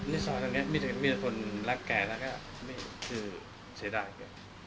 ในสวรรค์เนี่ยมีแต่คนรักแกแล้วก็ไม่ใช้ได้แก